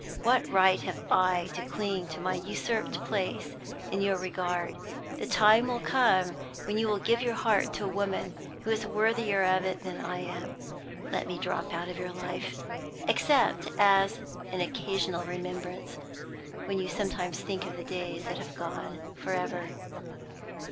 What right have I to cling to my usurped place in your regard? The time will come when you will give your heart to a woman who is worthier of it than I am. Let me drop out of your life except as an occasional remembrance, when you sometimes think of the days that have gone forever.